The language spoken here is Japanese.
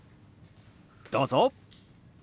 どうぞ！